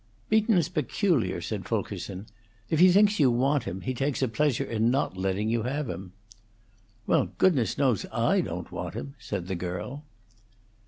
"Beaton's peculiar," said Fulkerson. "If he thinks you want him he takes a pleasure in not letting you have him." "Well, goodness knows, I don't want him," said the girl.